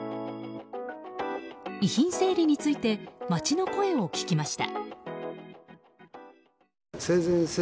遺品整理について街の声を聞きました。